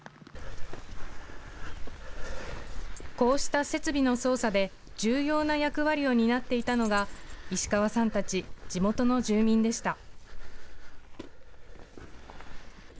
こうした設備の操作で重要な役割を担っていたのが石川さんたち、地元の住民でした。